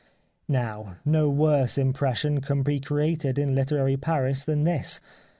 Now no worse impression can be created in literary Paris than this.